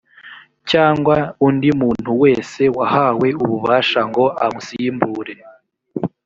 cyangwa undi muntu wese wahawe ububasha ngo amusimbure